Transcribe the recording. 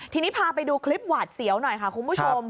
ทีนี้พาไปดูคลิปหวาดเสียวหน่อยค่ะคุณผู้ชม